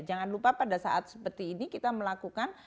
jangan lupa pada saat seperti ini kita melakukan